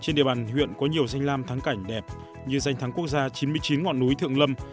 trên địa bàn huyện có nhiều danh lam thắng cảnh đẹp như danh thắng quốc gia chín mươi chín ngọn núi thượng lâm